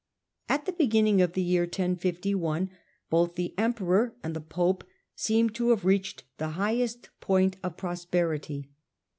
At the beginning of the year 1051, both the emperor and the pope seemed to have reached the highest point Birth of of prosperity.